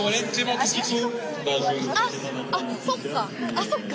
あっそっか。